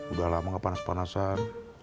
udah lama ngepanas panasan